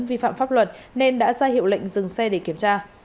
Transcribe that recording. vi phạm pháp luật nên đã ra hiệu lệnh dừng xe để kiểm tra